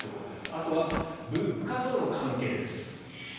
あとは物価との関係です。